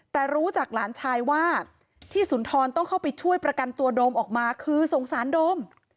แต่รู้จากหลานชายว่าที่สุนทรต้องเข้าไปช่วยประกันตัวโดมออกมาคือสงสารโดม